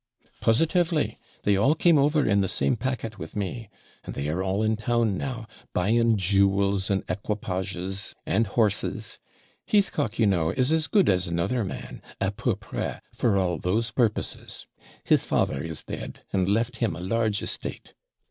'Positively; they all came over in the same packet with me, and they are all in town now, buying jewels, and equipages, and horses. Heathcock, you know, is as good as another man, A PEU PRES, for all those purposes; his father is dead, and left him a large estate.